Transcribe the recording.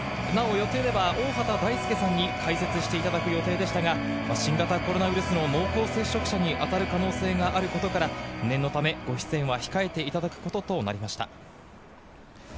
予定では大畑大介さんに解説していただく予定でしたが、新型コロナウイルスの濃厚接触者に当たる可能性があることから、念のためご出演は控えていただくこととなりました。